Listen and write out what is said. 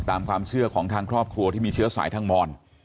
ตามความเชื่อของทางครอบครัวที่มีเชื้อสายทางมอน